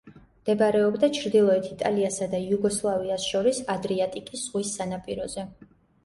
მდებარეობდა ჩრდილოეთ იტალიასა და იუგოსლავიას შორის ადრიატიკის ზღვის სანაპიროზე.